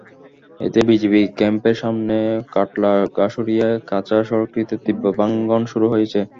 এতে বিজিবি ক্যাম্পের সামনে কাটলা-ঘাসুরিয়া কাঁচা সড়কটিতে তীব্র ভাঙন শুরু হয়েছে।